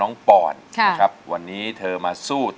น้องปอนด์ร้องได้ให้ร้อง